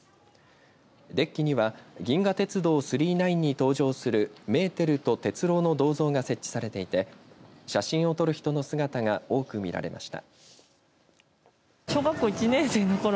デッキには銀河鉄道９９９に登場するメーテルと鉄郎の銅像が設置されていて写真を撮る人の姿が多く見られました。